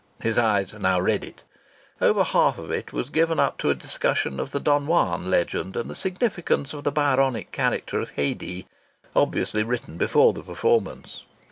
His eyes now read it. Over half of it was given up to a discussion of the Don Juan legend and the significance of the Byronic character of Haidee obviously written before the performance.